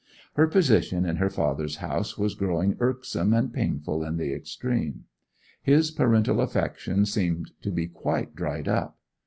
Her position in her father's house was growing irksome and painful in the extreme; his parental affection seemed to be quite dried up.